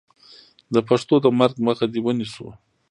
د پښتو د مرګ مخه دې ونیسو.